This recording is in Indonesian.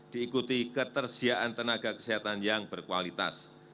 diikuti ketersediaan tenaga kesehatan yang berkualitas